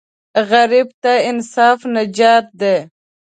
غریب ته انصاف نجات دی